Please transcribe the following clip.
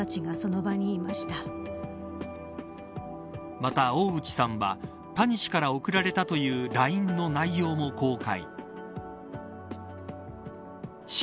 また、大内さんは谷氏から送られたというＬＩＮＥの内容も公開。